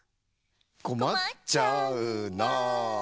「こまっちゃうな」